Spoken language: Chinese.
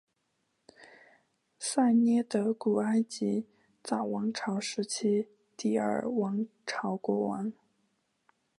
塞涅德古埃及早王朝时期第二王朝国王。